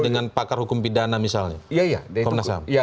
dengan pakar hukum pidana misalnya